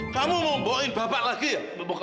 kamu mau bawa bapak lagi ya